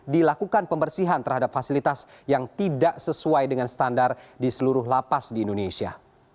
dilakukan pembersihan terhadap fasilitas yang tidak sesuai dengan standar di seluruh lapas di indonesia